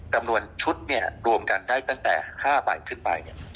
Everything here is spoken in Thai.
กำนวณชุดเนี้ยรวมการได้ตั้งแต่ข้าวคืนไปเนี้ย